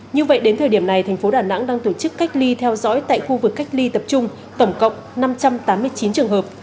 như vậy đến thời điểm này thành phố đà nẵng đang tổ chức cách ly theo dõi tại khu vực cách ly tập trung tổng cộng năm trăm tám mươi chín trường hợp